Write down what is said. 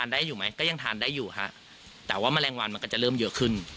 ได้อยู่ฮะแต่ว่าแมลงวันมันก็จะเริ่มเยอะขึ้น